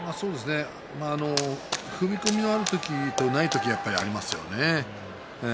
踏み込みのある時とない時がありますよね。